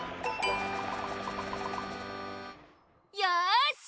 よし！